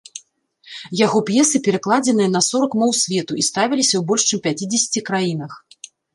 Яго п'есы перакладзеныя на сорак моў свету і ставіліся ў больш чым пяцідзесяці краінах.